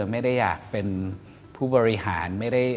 ไม่ได้อยากเป็นผู้บริหาร